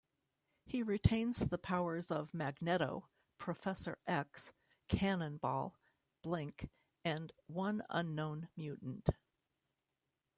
He retains the powers of Magneto, Professor X, Cannonball, Blink, and one unknown mutant.